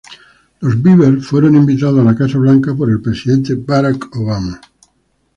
Los Beavers fueron invitados a la Casa Blanca por el presidente Barack Obama.